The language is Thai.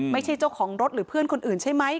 เจ้าของรถหรือเพื่อนคนอื่นใช่ไหม